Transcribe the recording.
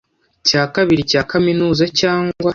cya kabiri cya kaminuza cyangwa